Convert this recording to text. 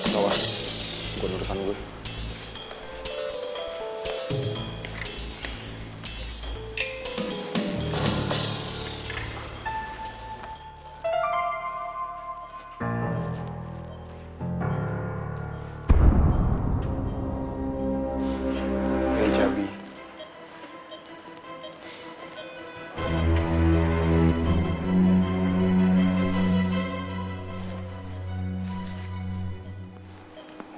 mbak ulan gue nunggu di sana dulu